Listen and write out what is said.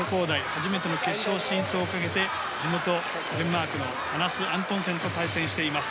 初めての決勝進出をかけて地元デンマークのアナス・アントンセンと対戦しています。